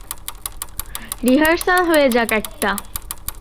Rehearsal হয়ে যাক একটা।